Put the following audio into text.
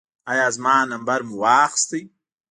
ایا زما نمبر مو واخیست؟